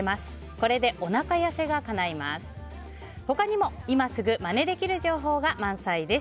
これで、おなか痩せがかないます。